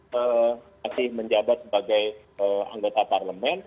masih menjabat sebagai anggota parlemen